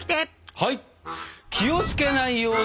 はい！